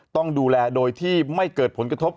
ต้องดูแลโดยที่ไม่เกิดผลกระทบ